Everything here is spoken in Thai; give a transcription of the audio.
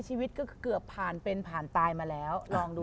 ชีวิตก็เกือบผ่านเป็นผ่านตายมาแล้วลองดู